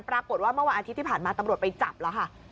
เมื่อวันอาทิตย์ที่ผ่านมาตำรวจไปจับแล้วค่ะ